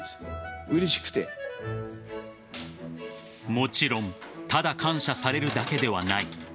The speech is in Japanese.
もちろんただ感謝されるだけではない。